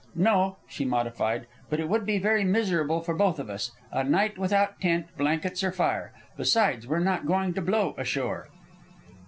"No," she modified; "but it would be very miserable for both of us, a night without tent, blankets, or fire. Besides, we're not going to blow ashore."